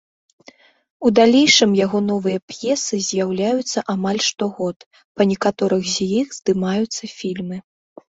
У далейшым яго новыя п'есы з'яўляюцца амаль штогод, па некаторых з іх здымаюцца фільмы.